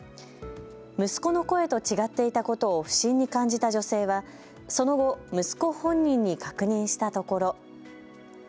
息子の声と違っていたことを不審に感じた女性は、その後、息子本人に確認したところ。